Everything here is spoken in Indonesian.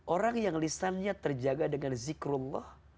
orang yang lisannya terjaga dengan zikrullah